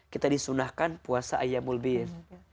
kita disunahkan puasa ayam mulbir